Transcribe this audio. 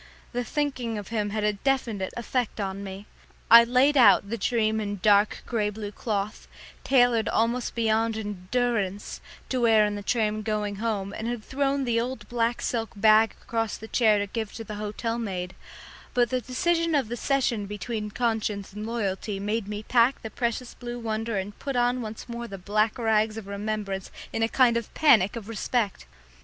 The thinking of him had a strange effect on me. I had laid out the dream in dark grey blue cloth, tailored almost beyond endurance, to wear in the train going home, and had thrown the old black silk bag across the chair to give to the hotel maid, but the decision of the session between conscience and loyalty made me pack the precious blue wonder and put on once more the black rags of remembrance in a kind of panic of respect.